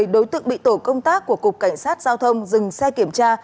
đối tượng bị tổ công tác của cục cảnh sát giao thông dừng xe kiểm tra